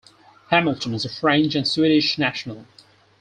Hamilton is a French and Swedish national.